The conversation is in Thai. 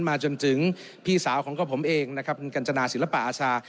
มาจนถึงพี่สาวของก็ผมเองนะครับคุณกัญจนาศิลปะอาชา